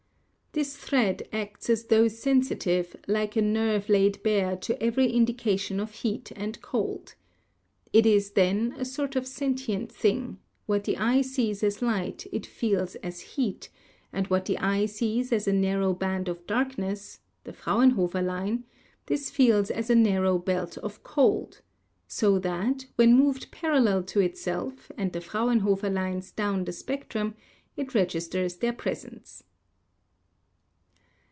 This thread acts as tho sensitive, like a nerve laid bare to every indi cation of heat and cold. It is, then, a sort of sentient thing; what the eye sees as light it feels as heat, and what the eye sees as a narrow band of darkness (the Frauen hofer line) this feels as a narrow belt of cold; so that, when moved parallel to itself and the Frauenhofer lines down the spectrum, it registers their presence."